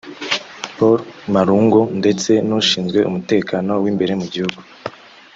Paul Malong ndetse n’ushinzwe umutekano w’imbere mu gihugu